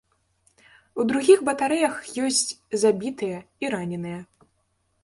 У другіх батарэях ёсць забітыя і раненыя.